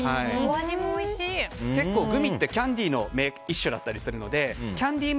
結構、グミってキャンディーの一種だったりするのでキャンディー